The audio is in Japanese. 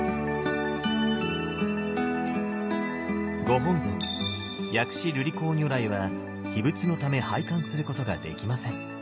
ご本尊薬師瑠璃光如来は秘仏のため拝観することができません。